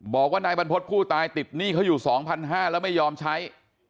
บอกว่านายบรรพจน์ผู้ตายติดหนี้เขาอยู่สองพันห้าแล้วไม่ยอมใช้